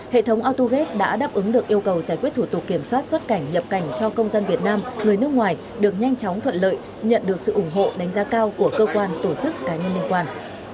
hệ thống autogate đã đáp ứng được yêu cầu giải quyết thủ tục kiểm soát xuất cảnh nhập cảnh cho công dân việt nam người nước ngoài được nhanh chóng thuận lợi nhận được sự ủng hộ đánh giá cao của cơ quan tổ chức cá nhân liên quan